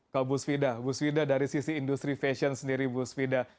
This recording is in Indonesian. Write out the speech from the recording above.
kalau bu svida dari sisi industri fashion sendiri bu svida